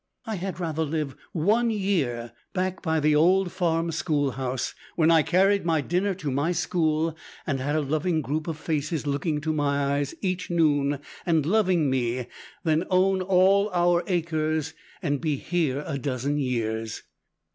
"I had rather live one year back by the old farm school house, when I carried my dinner to my school, and had a loving group of faces looking into my eyes each noon, and loving me, than own all our acres and be here a dozen years.